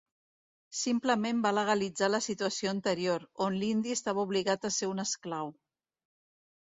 Simplement va legalitzar la situació anterior, on l'indi estava obligat a ser un esclau.